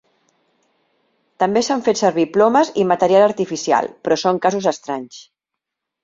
També s'han fet servir plomes i material artificial, però són casos estranys.